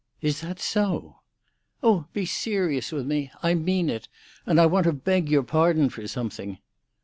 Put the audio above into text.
"Is that so?" "Oh, be serious with me. I mean it. And I want to beg your pardon for something."